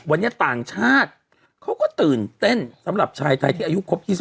วันนี้ต่างชาติเขาก็ตื่นเต้นสำหรับชายไทยที่อายุครบ๒๐